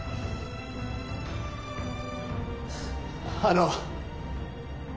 あの。